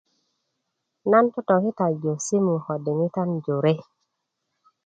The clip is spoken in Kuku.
nan totokitaju simu ko diŋitan jore